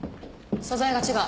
素材が違う。